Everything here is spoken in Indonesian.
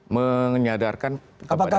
menyadarkan kepada para pengusaha